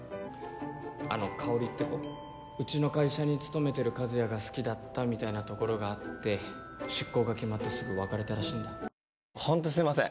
「あのカオリって子うちの会社に務めてる和也が好きだったみたいなところがあって出向が決まってすぐ別れたらしいんだ」